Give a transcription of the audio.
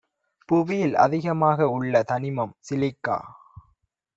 புவியில் அதிகமாக உள்ள தனிமம் சிலிக்கா